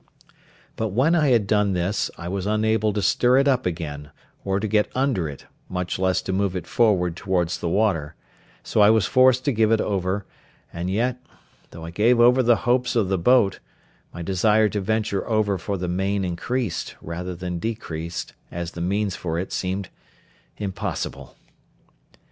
But when I had done this, I was unable to stir it up again, or to get under it, much less to move it forward towards the water; so I was forced to give it over; and yet, though I gave over the hopes of the boat, my desire to venture over for the main increased, rather than decreased, as the means for it seemed impossible.